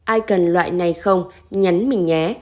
ai cần loại này không nhấn mình nhé